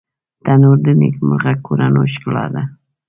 تنور د نیکمرغه کورونو ښکلا ده